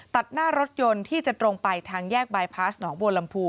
ตัดหน้ารถยนต์ที่จะตรงไปทางแยกบายพาสหนองบัวลำพู